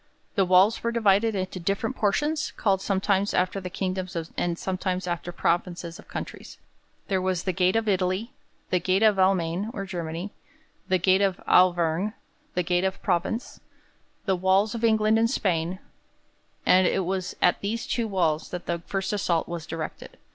The walls were divided into different portions, called sometimes after the kingdoms and sometimes after provinces of countries. There was the 'gate of Italy,' the 'gate of Almaine' or Germany, the 'gate of Auvergne,' the 'gate of Provence,' the 'Walls of England and Spain'; and it was at these two walls that the first assault was directed.